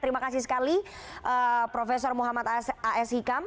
terima kasih sekali prof muhammad a s hikam